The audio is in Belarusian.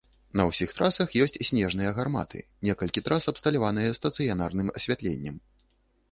На ўсіх трасах ёсць снежныя гарматы, некалькі трас абсталяваныя стацыянарным асвятленнем.